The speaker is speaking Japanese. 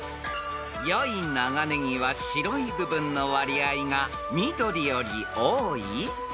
［良い長ネギは白い部分の割合が緑より］